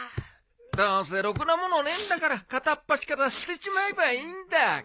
どうせろくな物ねえんだから片っ端から捨てちまえばいいんだ。